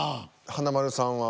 華丸さんは？